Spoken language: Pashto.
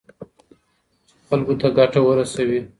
چي خلګو ته ګټه ورسوي.